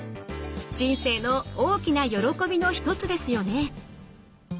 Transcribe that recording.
人生の大きな喜びの一つですよね。